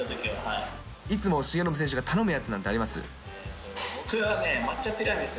いつも重信選手が頼むやつなんてあります？